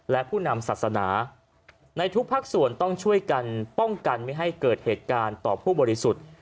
และผู้นำศาสนาในทุกภาคส่วนต้องช่วยกันป้องกันไม่ให้เกิดเหตุการณ์ต่อผู้บริสุทธิ์